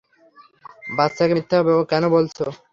বাচ্চাকে মিথ্যা কেন বলছেন?